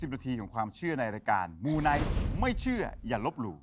นาทีของความเชื่อในรายการมูไนท์ไม่เชื่ออย่าลบหลู่